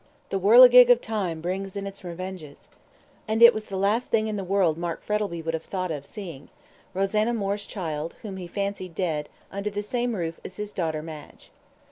"The whirligig of time brings in its revenges," and it was the last thing in the world Mark Frettlby would have thought of seeing: Rosanna Moore's child, whom he fancied dead, under the same roof as his daughter Madge.